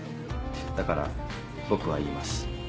だから僕は言います。